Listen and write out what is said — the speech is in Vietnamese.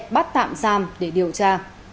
bắt tạm giam để điều tra